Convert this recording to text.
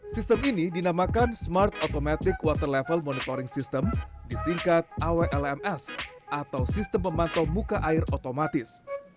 sistem ini dinamakan smart automatic water level monitoring system disingkat awlms atau sistem pemantau muka air otomatis